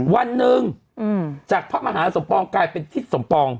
วันหนึ่งจากพระมหาสมปองกลายเป็นทิศสมปอง